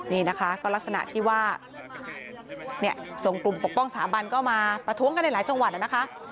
นี่นะคะก็ลักษณะที่ว่าเนี่ยส่งกลุ่มปกป้องสถาบันก็มาประท้วงกันในหลายจังหวัดนะคะ